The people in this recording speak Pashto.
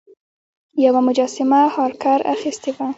یوه مجسمه هارکر اخیستې وه.